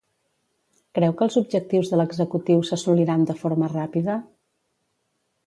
Creu que els objectius de l'executiu s'assoliran de forma ràpida?